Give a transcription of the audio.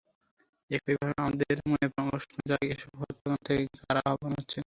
একইভাবে আমাদের মনে প্রশ্ন জাগে এসব হত্যাকাণ্ড থেকে কারা লাভবান হচ্ছেন।